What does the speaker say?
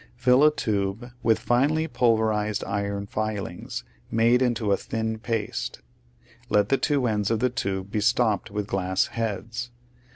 Fill a tube with finely pulverized iron filings made into a thin paste. Let the two ends of the tube be stopped with glass heads.